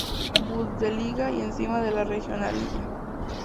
Bundesliga y encima de la Regionalliga.